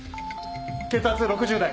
血圧６０台！